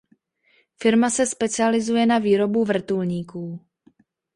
Firma se specializuje na výrobu vrtulníků.